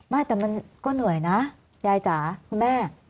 ไม่แต่มันก็เหนื่อยนะยายจ๋าคุณแม่